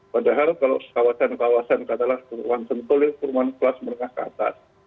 padahal kalau kawasan kawasan katalah kurman sentulir kurman kelas merengah ke atas